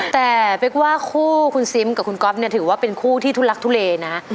แต่เป๊กว่าคู่คุณซิมกับคุณก๊อฟเนี่ยถือว่าเป็นคู่ที่ทุลักทุเลนะ